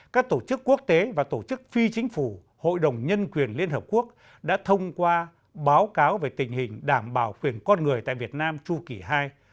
các tổ chức quốc tế và tổ chức phi chính phủ hội đồng nhân quyền liên hợp quốc đã thông qua báo cáo về tình hình đảm bảo quyền con người tại việt nam tru kỷ ii